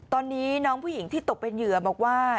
ตอนนี้น้องผู้หญิงที่ตกเป็นเหยื่อบอกว่า